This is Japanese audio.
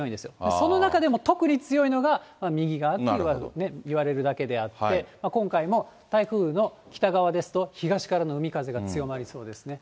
その中でも特に強いのが、右側といわれるだけであって、今回も台風の北側ですと、東からの海風が強まりそうですね。